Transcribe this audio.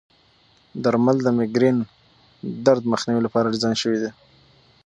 درمل د مېګرین درد مخنیوي لپاره ډیزاین شوي دي.